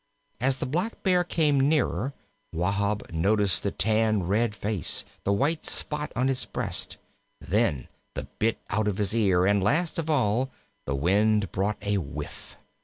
As the Blackbear came nearer Wahb noticed the tan red face, the white spot on his breast, and then the bit out of his ear, and last of all the wind brought a whiff.